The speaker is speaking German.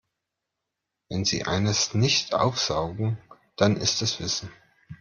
Wenn sie eines nicht aufsaugen, dann ist es Wissen.